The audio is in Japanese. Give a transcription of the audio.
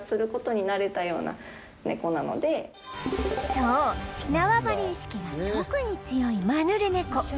そう縄張り意識が特に強いマヌルネコ